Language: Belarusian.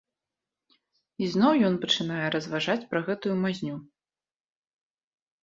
Ізноў ён пачынае разважаць пра гэтую мазню.